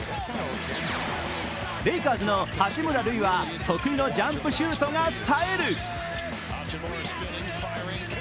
レイカーズの八村塁は得意のジャンプシュートがさえる！